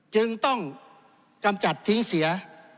จึงต้องกำจัดทิ้งเสีย